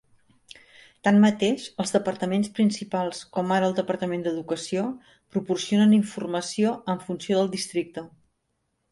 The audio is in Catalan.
Tanmateix, els departaments principals, com ara el Departament d'Educació, proporcionen informació en funció del districte.